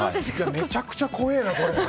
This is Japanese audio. めちゃくちゃ怖えな、これ。